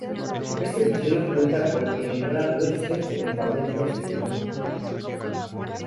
Este episodio cuenta con Eleonora Wexler, en el papel de asesina.